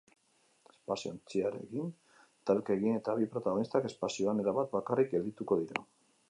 Espazio ontziarekin talka egin eta bi protagonistak espazioan erabat bakarrik geldituko dira.